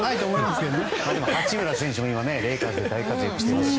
八村選手もレイカーズで大活躍していますし。